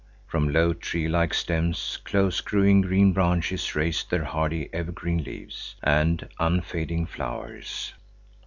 From low tree like stems close growing green branches raised their hardy ever green leaves and unfading flowers.